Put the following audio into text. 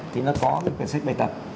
thì nó có cái cuốn sách bài tập